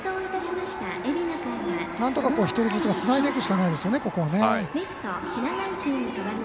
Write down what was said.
なんとか１人ずつつないでいくしかないですね。